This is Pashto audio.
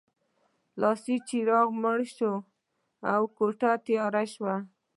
لاسي څراغ مړ شو او کوټه تیاره شوه